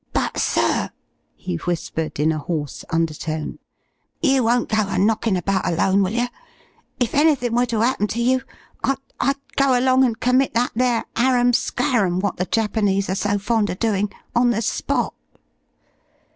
"But, sir," he whispered in a hoarse undertone, "you won't go a knocking about alone, will yer? If anythin' were to 'appen to you I I'd go along and commit that there 'harum scarum' wot the Japanese are so fond o' doin' on the spot!"